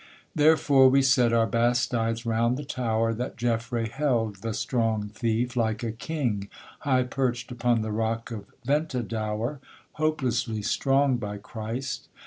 Therefore we set our bastides round the tower That Geffray held, the strong thief! like a king, High perch'd upon the rock of Ventadour, Hopelessly strong by Christ!